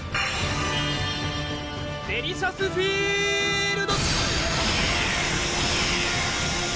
デリシャスフィールド！